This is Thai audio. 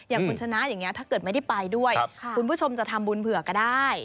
อย่างคุณชนะอย่างนี้ถ้าเกิดไม่ได้ไปด้วยคุณผู้ชมจะทำบุญเผื่อก็ได้